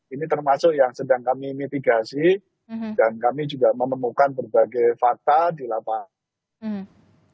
ini termasuk yang sedang kami mitigasi dan kami juga menemukan berbagai fakta di lapangan